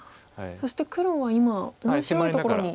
そして黒は今面白いところに。